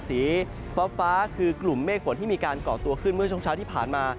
สีฟ้าคือกลุ่มเมฆฝนที่มีการก่อตัวขึ้นเมื่อช่วงเช้าที่ผ่านมา